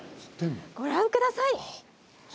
ご覧ください。